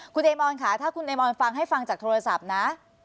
คุณเอมอนค่ะถ้าคุณไอมอนฟังให้ฟังจากโทรศัพท์นะ